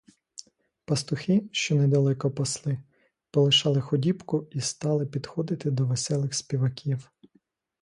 Пастухи, що недалеко пасли, полишали худібку і стали підходити до веселих співаків.